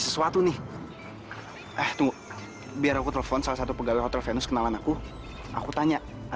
sambu maya tuh lari keluar dari rumahnya